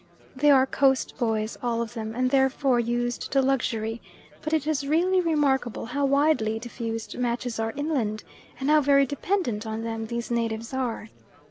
They are coast boys, all of them, and therefore used to luxury, but it is really remarkable how widely diffused matches are inland, and how very dependent on them these natives are.